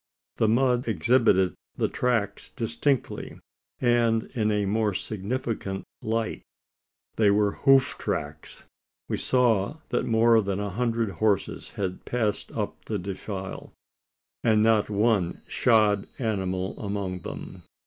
The mud exhibited the tracks distinctly and in a more significant light they were hoof tracks! We saw that more than a hundred horses had passed up the defile; and not one shod animal among them!